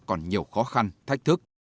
còn nhiều khó khăn thách thức